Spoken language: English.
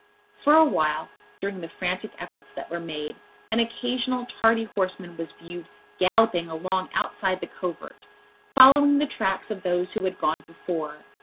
For a while, during the frantic efforts that were made, an occasional tardy horseman was viewed galloping along outside the covert, following the tracks of those who had gone before.